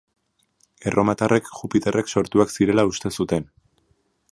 Erromatarrek Jupiterrek sortuak zirela uste zuten.